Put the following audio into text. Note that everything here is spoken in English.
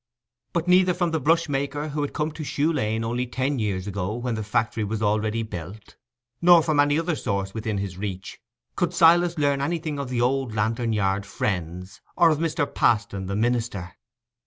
But neither from the brush maker, who had come to Shoe Lane only ten years ago, when the factory was already built, nor from any other source within his reach, could Silas learn anything of the old Lantern Yard friends, or of Mr. Paston the minister.